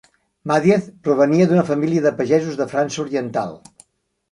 Mathiez provenia d'una família de pagesos de França oriental.